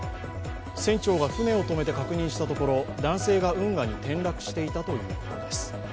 船長が船を止めて確認したところ男性が運河に転落していたということです。